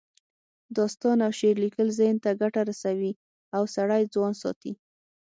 داستان او شعر لیکل ذهن ته ګټه رسوي او سړی ځوان ساتي